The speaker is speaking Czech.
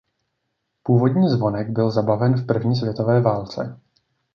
Původní zvonek byl zabaven v první světové válce.